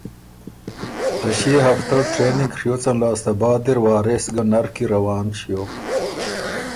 ته ݭيې هفته ټرېننګ ڒیوڅن لاسته بعد اِر وارث ګه نر کی روان ݭیوک۔